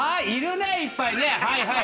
いるねいっぱいね。